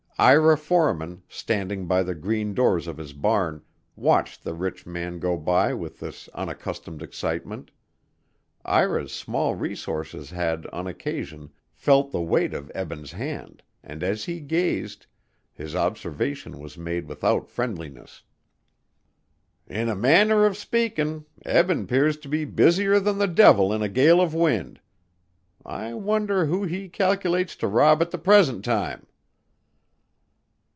Ira Forman, standing by the green doors of his barn, watched the rich man go by with this unaccustomed excitement. Ira's small resources had, on occasion, felt the weight of Eben's hand and as he gazed, his observation was made without friendliness. "In a manner of speakin' Eben 'pears to be busier than the devil in a gale of wind. I wonder who he cal'lates to rob at the present time."